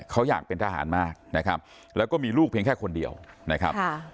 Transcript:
เขาอยากเป็นทหารมากนะครับแล้วก็มีลูกเพียงแค่คนเดียวนะครับ